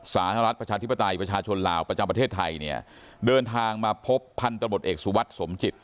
สหรัฐประชาธิปไตยประชาชนลาวประจำประเทศไทยเนี่ยเดินทางมาพบพันธบทเอกสุวัสดิสมจิต